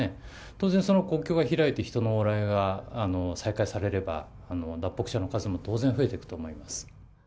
当然その国境が開いて、人の往来が再開されれば、脱北者の数も当然増えていくと思います。